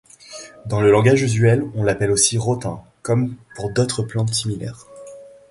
Dans le langage usuel, on l'appelle aussi rotin, comme pour d'autres plantes similaires.